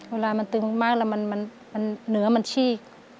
เวลามันตึงมากแล้วเนื้อมันชีก